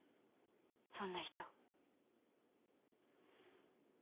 そんな人。